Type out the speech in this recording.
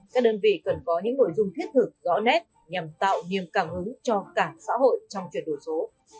các đơn vị cần có những nội dung thiết thực rõ nét nhằm tạo niềm cảm hứng cho cả xã hội trong chuyển đổi số